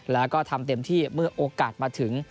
แล้วก็ทำเต็มที่เมื่อโอกาสมาถึง